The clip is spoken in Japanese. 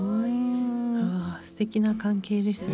わぁすてきな関係ですね。